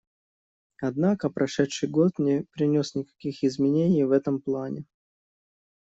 Однако прошедший год не принес никаких изменений в этом плане.